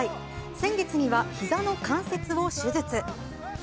先月にはひざの関節を手術。